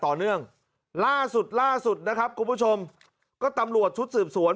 ต่อเนื่องล่าสุดล่าสุดนะครับกลุ่มผู้ชมก็ตำลวดชุดสืบสวน